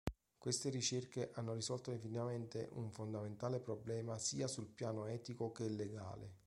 Queste ricerche hanno risolto definitivamente un fondamentale problema sia sul piano etico che legale.